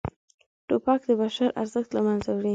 توپک د بشر ارزښت له منځه وړي.